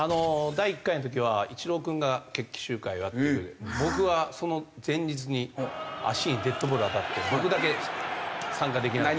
第１回の時はイチロー君が決起集会をやって僕はその前日に足にデッドボール当たって僕だけ参加できなかった。